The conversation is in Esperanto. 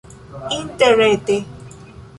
interrete